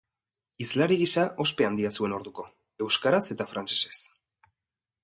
Hizlari gisa ospe handia zuen orduko, euskaraz eta frantsesez.